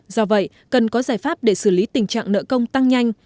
do vậy cần có giải pháp để xử lý tình trạng nợ công tăng nhanh